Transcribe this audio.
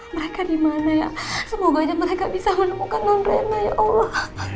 mereka dimana ya semoga aja mereka bisa menemukan non rema ya allah